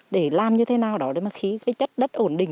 để làm như thế nào đó để mà khí cái chất đất ổn định